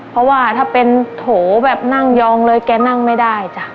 เพราะว่าถ้าเป็นโถแบบนั่งยองเลยแกนั่งไม่ได้จ้ะ